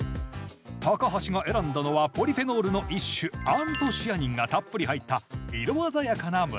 橋が選んだのはポリフェノールの一種アントシアニンがたっぷり入った色鮮やかなむらさき芋。